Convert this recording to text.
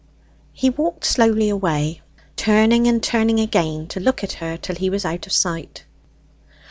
He walked slowly away, turning and turning again to look at her till he was out of sight.